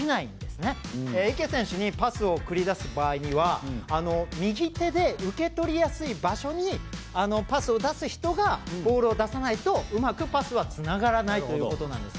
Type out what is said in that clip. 池選手にパスを繰り出す場合には右手で受け取りやすい場所にパスを出す人がボールを出さないとうまくパスはつながらないということなんです。